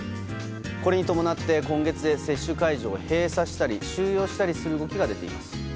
これに伴って今月で接種会場を閉鎖したり終了したりする動きが出ています。